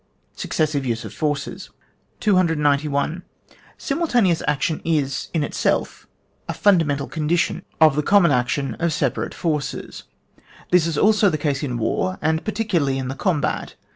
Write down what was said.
Successive use of Forces. 291. Simultaneous action is, in itself, a fundamental condition of the common 150 ON WAR. action of separate forces. This is also the case in war, and particularly in the combat.